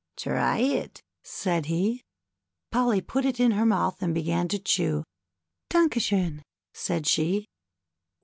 " Try it," said he. Polly put it in her mouth and began to chew. Danke schon," said she.